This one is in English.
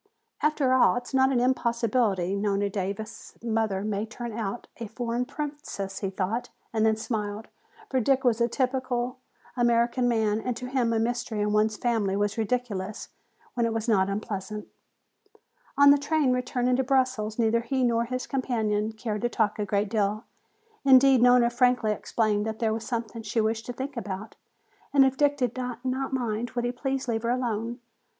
"After all, it is not an impossibility, Nona Davis' mother may turn out a foreign princess," he thought, and then smiled. For Dick was a typical American man and to him a mystery in one's family was ridiculous when it was not unpleasant. On the train returning to Brussels neither he nor his companion cared to talk a great deal. Indeed, Nona frankly explained that there was something she wished to think about, and if Dick did not mind, would he please leave her alone.